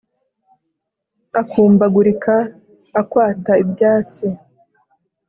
Akumbagurika akwata ibyatsi